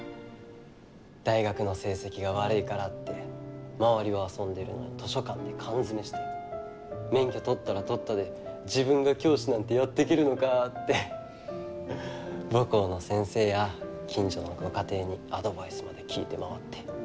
大学の成績が悪いからって周りは遊んでるのに図書館で缶詰めして免許取ったら取ったで自分が教師なんてやっていけるのかって母校の先生や近所のご家庭にアドバイスまで聞いて回って。